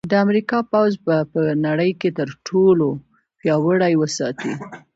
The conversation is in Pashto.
د امریکا پوځ به په نړۍ کې تر ټولو پیاوړی وساتي